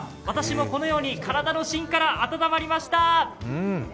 私も、このように体の芯から温まりました。